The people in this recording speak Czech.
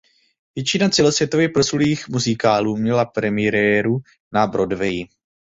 Většina celosvětově proslulých muzikálů měla premiéru na Broadwayi.